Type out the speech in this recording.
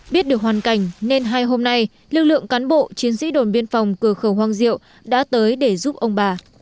biết được hoàn cảnh nên hai hôm nay lực lượng cán bộ chiến sĩ đồn biên phòng cửa khẩu hoàng diệu đã tới để giúp ông bà